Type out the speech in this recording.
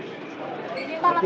berarti ini pak